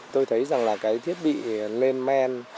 tôi thấy rằng là cái thiết bị lên men